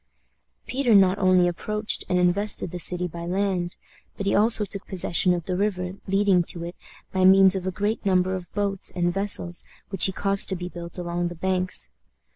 Peter not only approached and invested the city by land, but he also took possession of the river leading to it by means of a great number of boats and vessels which he caused to be built along the banks.